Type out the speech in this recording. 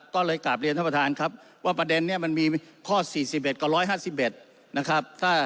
ก็เลยกลับเรียนท่านประธานครับว่าประเด็นนี้มันมีข้อ๔๑กับ๑๕๑นะครับ